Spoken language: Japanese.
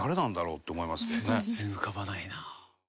全然浮かばないな。